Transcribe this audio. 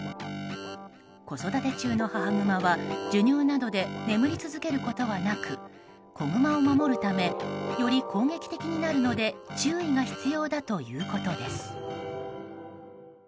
子育て中の母グマは授乳などで眠り続けることはなく子グマを守るためより攻撃的になるので注意が必要だということです。